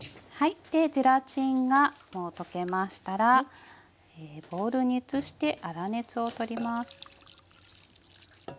でゼラチンがもう溶けましたらボウルに移して粗熱を取ります。